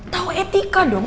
tau etika dong